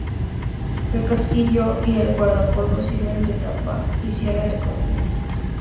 El casquillo y el guardapolvos sirven de tapa y cierre del conjunto.